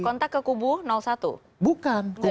kontak ke kubu satu